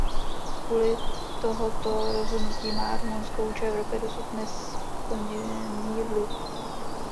Kvůli tohoto rozhodnutí má Rumunsko vůči Evropě dosud nesplněný dluh.